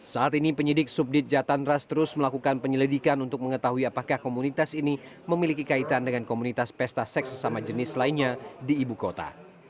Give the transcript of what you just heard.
saat ini penyidik subdit jatandras terus melakukan penyelidikan untuk mengetahui apakah komunitas ini memiliki kaitan dengan komunitas pesta seks sesama jenis lainnya di ibu kota